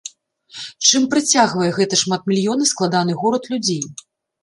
Чым прыцягвае гэты шматмільённы складаны горад людзей?